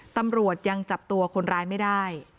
ตำรวจยังจับตัวคนร้ายไม่ได้